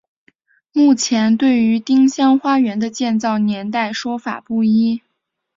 目前对于丁香花园的建造年代说法不一。